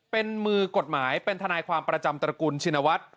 เป็นมือกฎหมายเป็นทนายความประจำตระกุลชินวัฒน์